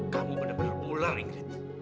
kamu bener bener pular ingrid